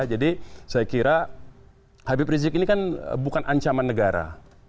jadi saya kira habib rizieq ini kan bukan ancaman negara